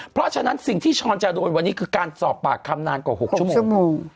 เพราะฉะนั้นสิ่งที่ช้อนจะโดนวันนี้คือการสอบปากคำนานกว่า๖ชั่วโมงชั่วโมง